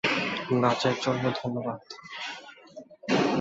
নাচের জন্য ধন্যবাদ।